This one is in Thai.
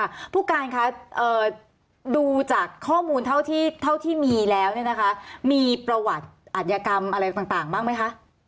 ผู้การคะดูจากข้อมูลเท่าที่มีแล้วเนี่ยนะคะมีประวัติอัธยกรรมอะไรต่างบ้างไหมคะ